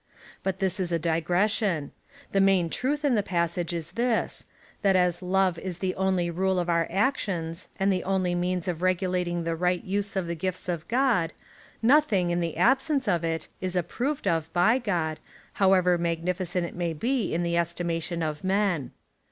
But this is a digression. The main truth in the passage is this — ^that as love is the only rule of our actions, and the only means of regulating the right use of the gifts of God, nothing, in the absence of it, is approved of by God, however magnificent it may be in the estimation of men.